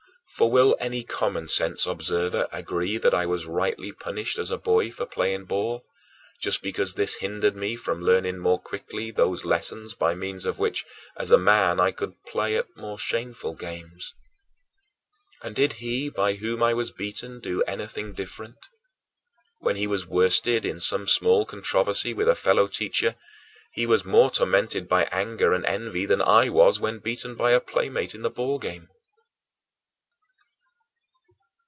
For will any common sense observer agree that I was rightly punished as a boy for playing ball just because this hindered me from learning more quickly those lessons by means of which, as a man, I could play at more shameful games? And did he by whom I was beaten do anything different? When he was worsted in some small controversy with a fellow teacher, he was more tormented by anger and envy than I was when beaten by a playmate in the ball game.